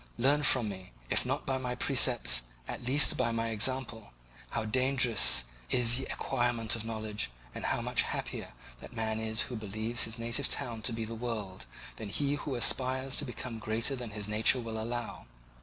Learn from me, if not by my precepts, at least by my example, how dangerous is the acquirement of knowledge and how much happier that man is who believes his native town to be the world, than he who aspires to become greater than his nature will allow.